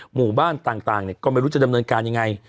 หมู่บ้านต่างก็ไม่รู้จะดำเนินการยังไง